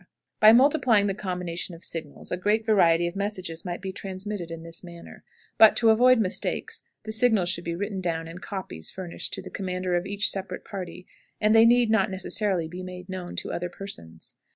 By multiplying the combinations of signals a great variety of messages might be transmitted in this manner; but, to avoid mistakes, the signals should be written down and copies furnished the commander of each separate party, and they need not necessarily be made known to other persons.